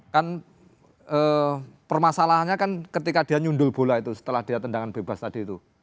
kan permasalahannya kan ketika dia nyundul bola itu setelah dia tendangan bebas tadi itu